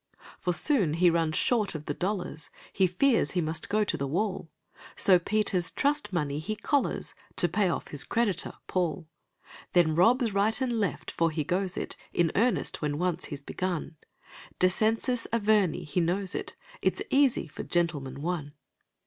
For soon he runs short of the dollars, He fears he must go to the wall; So Peter's trust money he collars To pay off his creditor, Paul; Then robs right and left for he goes it In earnest when once he's begun. Descensus Averni he knows it; It's easy for "Gentleman, One".